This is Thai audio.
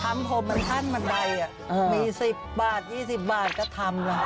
ทำผมเหมือนท่านบันไบมี๑๐บาท๒๐บาทก็ทำนะ